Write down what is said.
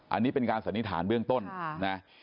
อันนี้เป็นการสันนิษฐานเบื้องต้นนะ